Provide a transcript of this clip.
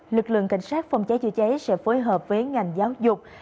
lực lượng cảnh sát phòng cháy chữa cháy sẽ phối hợp với ngành giáo dục